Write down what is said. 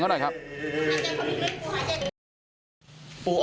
ออกได้ไหมครับปู่